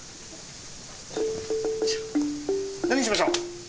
何にしましょう？